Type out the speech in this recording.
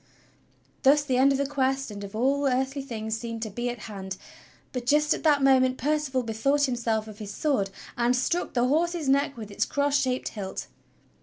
Thus the end of the Quest and of all earthly things seemed to be at hand, but just at that moment Percival bethought himself of his sword, and struck the horse's neck with its cross shaped hilt.